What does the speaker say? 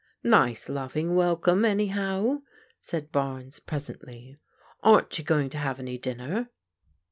Nice, loving welcome, anyhow," said Barnes pres ently. " Aren't you going to have any dinner?